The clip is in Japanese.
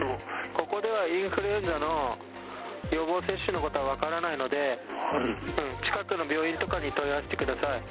ここではインフルエンザの予防接種のことは分からないので、近くの病院とかに問い合わせてく